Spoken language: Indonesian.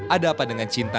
ada apa dengan cinta